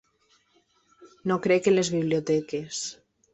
No crec en les biblioteques.